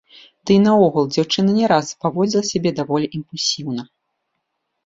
Дый наогул, дзяўчына не раз паводзіла сябе даволі імпульсіўна.